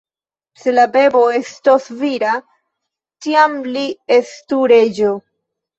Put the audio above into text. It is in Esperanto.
Se la bebo estos vira, tiam li estu reĝo.